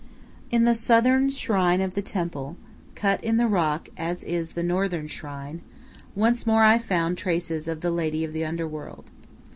In the southern shrine of the temple, cut in the rock as is the northern shrine, once more I found traces of the "Lady of the Under World."